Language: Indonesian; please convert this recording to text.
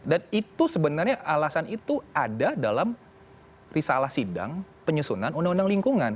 dan itu sebenarnya alasan itu ada dalam risalah sidang penyusunan undang undang lingkungan